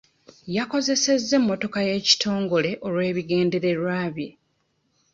Yakozesezza emmotoka y'ekitongole olw'ebigendererwa bye.